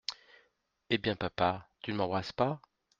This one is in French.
Eh bien, papa, tu ne m’embrasses pas !